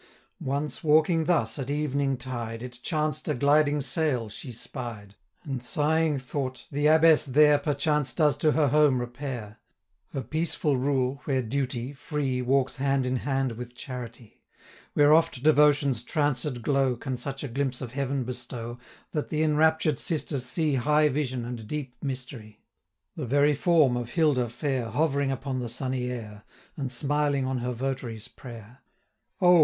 Once walking thus, at evening tide, 100 It chanced a gliding sail she spied, And, sighing, thought 'The Abbess, there, Perchance, does to her home repair; Her peaceful rule, where Duty, free, Walks hand in hand with Charity; 105 Where oft Devotion's tranced glow Can such a glimpse of heaven bestow, That the enraptured sisters see High vision, and deep mystery; The very form of Hilda fair, 110 Hovering upon the sunny air, And smiling on her votaries' prayer. O!